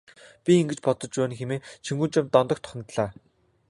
Би ингэж бодож байна хэмээн Чингүнжав Дондогт хандлаа.